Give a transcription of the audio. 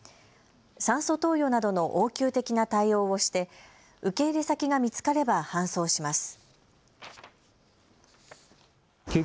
酸素投与などの応急的な対応をして受け入れ先が見つかれば搬送します。